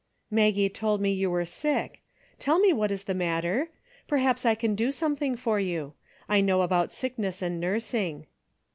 " Maggie told me you were sick. Tell me what is the matter. Perhaps I can do something for you. I know about sickness and nursing."